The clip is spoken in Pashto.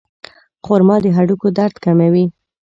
خرما د هډوکو درد کموي.